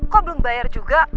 kok belum bayar juga